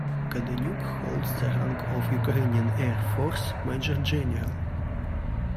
Kadeniuk holds the rank of Ukrainian Air Force Major General.